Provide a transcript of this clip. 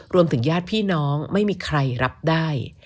ญาติพี่น้องไม่มีใครรับได้